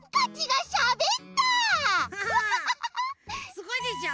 すごいでしょ？